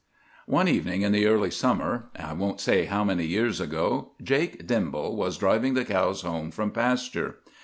"One evening in the early summer, I won't say how many years ago, Jake Dimball was driving the cows home from pasture.